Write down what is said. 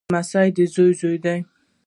لمسی دزوی زوی